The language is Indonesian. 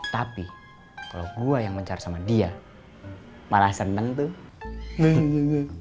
tapi kalau gue yang mencar sama dia malah seneng tuh